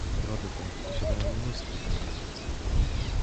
"Wody te posiadają mnóstwo tajemnic."